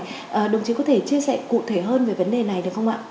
đồng chí có thể chia sẻ cụ thể hơn về vấn đề này được không ạ